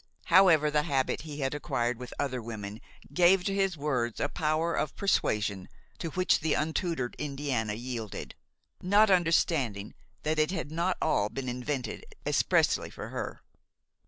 However, the habit he had acquired with other women gave to his words a power of persuasion to which the untutored Indiana yielded, not understanding that it had not all been invented expressly for her.